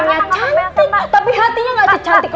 rupanya cantik tapi hatinya nggak jadi cantik